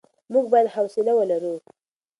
موږ بايد حوصله ولرو.